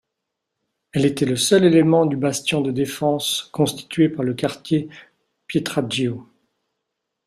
Elle était le seul élément du bastion de défense constitué par le quartier Pietraggio.